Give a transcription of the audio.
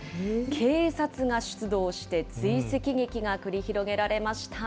警察が出動して追跡劇が繰り広げられました。